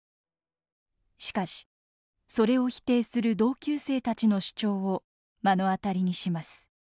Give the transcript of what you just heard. しかしそれを否定する同級生たちの主張を目の当たりにします。